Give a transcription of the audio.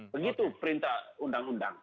begitu perintah undang undang